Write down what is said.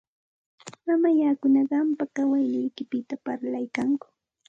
Mamallakuna qampa kawayniykipita parlaykanku.